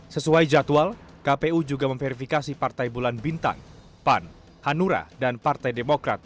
sesuai jadwal kpu juga memverifikasi partai bulan bintang pan hanura dan partai demokrat